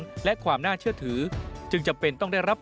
การที่จะทำกิจกรรมต่างนั้นจะหาเงินมาจากที่ไหนได้บ้าง